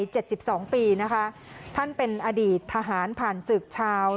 วัย๗๒ปีนะคะท่านเป็นอดีตทหารผ่านสืบชาว